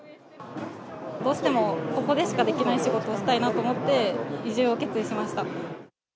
どうしても、ここでしかできない仕事をしたいなと思って、移住を決意しました。